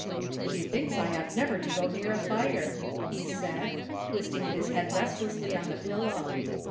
" She thinks I ought never to go near a fire," he said, twisting his head restlessly on the pil low.